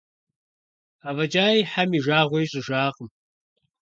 АфӀэкӀаи Хьэм и жагъуэ ищӀыжакъым.